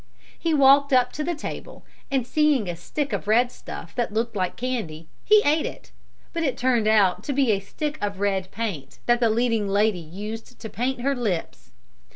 He walked up to the table and seeing a stick of red stuff that looked like candy, he ate it, but it turned out to be a stick of red paint that the leading lady used to paint her lips.